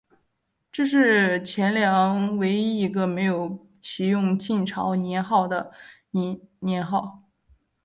这是前凉唯一一个没有袭用晋朝年号的年号。